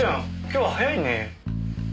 今日は早いね。